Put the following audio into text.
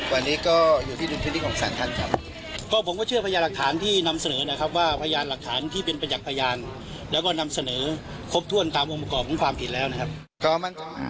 วันนี้ก็อยู่ที่ดุลพินิษฐของสารท่านครับก็ผมก็เชื่อพยานหลักฐานที่นำเสนอนะครับว่าพยานหลักฐานที่เป็นประจักษ์พยานแล้วก็นำเสนอครบถ้วนตามองค์ประกอบของความผิดแล้วนะครับ